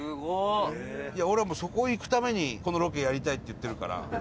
俺は、そこ行くために、このロケやりたいって言ってるから。